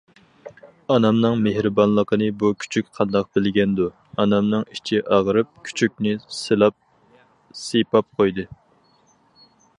« ئانامنىڭ مېھرىبانلىقىنى بۇ كۈچۈك قانداق بىلگەندۇ!؟» ئانامنىڭ ئىچى ئاغرىپ كۈچۈكنى سىلاپ- سىيپاپ قويدى.